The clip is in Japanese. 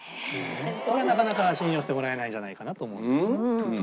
これはなかなか信用してもらえないんじゃないかなと思うんですけど。